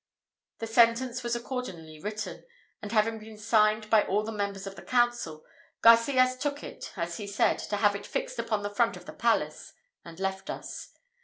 The sentence was accordingly written; and having been signed by all the members of the council, Garcias took it, as he said, to have it fixed upon the front of the palace, and left us.